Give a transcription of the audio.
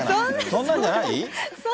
そんなんじゃない？